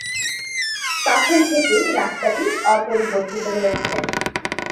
তখন থেকেই রাস্তাটি অপরিবর্তিত রয়েছে।